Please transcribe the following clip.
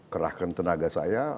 kerahkan tenaga saya